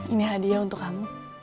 ini hadiah untuk kamu